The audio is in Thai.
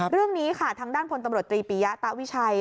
เรื่องนี้ค่ะทางด้านพลตำรวจตรีปียะตะวิชัย